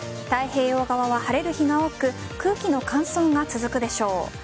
太平洋側は晴れる日が多く空気の乾燥が続くでしょう。